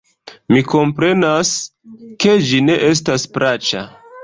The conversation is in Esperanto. Mi komprenas, ke ĝi ne estas plaĉa.